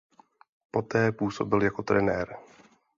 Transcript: Poté působil jako trenér.